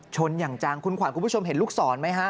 ชนอย่างจังคุณขวัญคุณผู้ชมเห็นลูกศรไหมฮะ